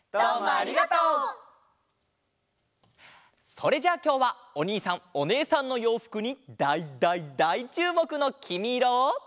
それじゃきょうはおにいさんおねえさんのようふくにだいだいだいちゅうもくの「きみイロ」を。